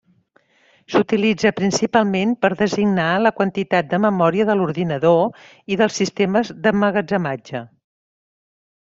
S'utilitza principalment per designar la quantitat de memòria de l'ordinador i dels sistemes d'emmagatzematge.